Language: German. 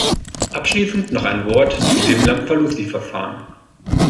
Abschließend noch ein Wort zu dem Lamfalussy-Verfahren.